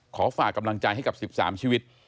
ขอฝากกำลังจ่ายให้กับ๑๓ชีวิต